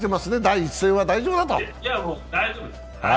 大丈夫です。